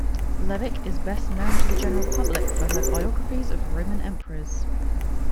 Levick is best known to the general public for her biographies of Roman emperors.